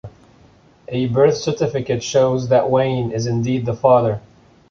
A birth certificate shows that Wayne is indeed the father.